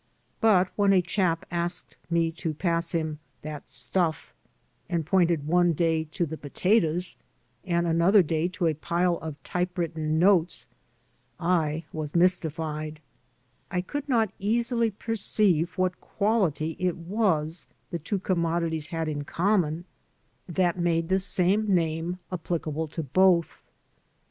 But when a chap asked me to pass him "that stuflf," and pointed one day to the potatoes and another day to a pile of typewritten notes X was mystified. I could not easily perceive what quality it was the two commodities had in common that THE AMERICAN AS HE IS made the same name applicable to both.